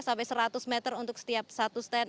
sampai seratus meter untuk setiap satu stand